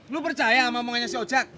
lu percaya sama omongannya si oca